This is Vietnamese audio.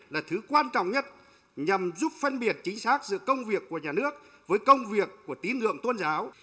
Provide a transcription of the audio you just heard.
là thứ quan trọng nhất nhằm giúp phân biệt chính xác giữa công việc của nhà nước với công việc của tín ngưỡng tôn giáo